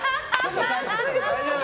大丈夫？